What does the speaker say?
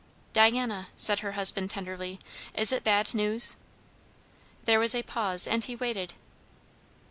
"Diana," said her husband tenderly, "is it bad news?" There was a pause, and he waited.